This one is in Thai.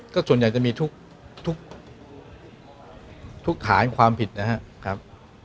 ก็ส่วนใหญ่จะมีทุกขายทุกขายความผิดนะฮะครับ